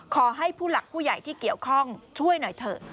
ขอให้ผู้หลักผู้ใหญ่ที่เกี่ยวข้องช่วยหน่อยเถอะ